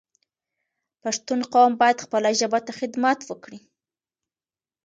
پښتون قوم باید خپله ژبه ته خدمت وکړی